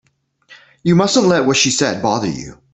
You mustn't let what she said bother you.